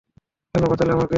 কেন বাঁচালে আমাকে?